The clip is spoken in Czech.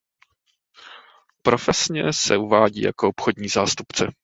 Profesně se uvádí jako obchodní zástupce.